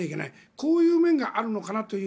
こういう面があるのかなという。